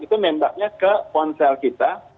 itu nembaknya ke ponsel kita